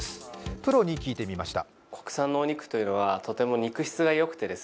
プロに聞いてみました。